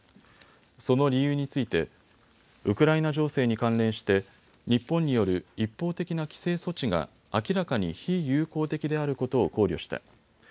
その理由についてウクライナ情勢に関連して日本による一方的な規制措置が明らかに非友好的であることを考慮した。